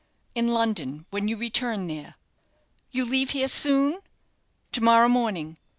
"In London, when you return there." "You leave here soon?" "To morrow morning.